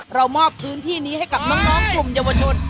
เรามอบพื้นที่นี้ให้กับน้องกลุ่มเยาวชน